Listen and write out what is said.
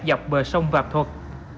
dọc bờ sông vạm thuật